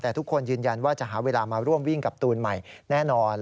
แต่ทุกคนยืนยันว่าจะหาเวลามาร่วมวิ่งกับตูนใหม่แน่นอน